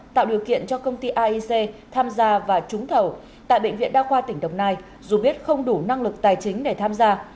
tạo điều kiện cho công ty aic tham gia và trúng thầu tại bệnh viện đa khoa tỉnh đồng nai dù biết không đủ năng lực tài chính để tham gia